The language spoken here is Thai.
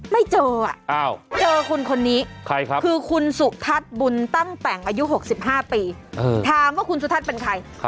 ไม่เจอเจอคุณคนนี้คือคุณสุทัศน์บุญตั้งแต่งอายุ๖๕ปีถามว่าคุณสุทัศน์เป็นใคร